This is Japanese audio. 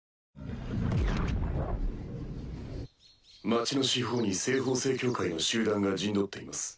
町の四方に西方聖教会の集団が陣取っています。